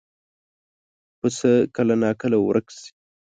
پسه کله ناکله ورک شي.